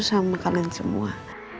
sama kalian semua